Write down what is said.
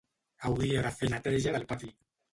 Hauria de fer neteja del pati